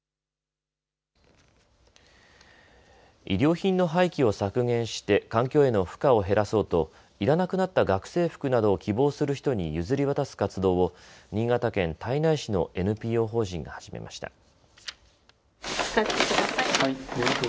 衣料品の廃棄を削減して環境への負荷を減らそうといらなくなった学生服などを希望する人に譲り渡す活動を新潟県胎内市のＮＰＯ法人が始めました。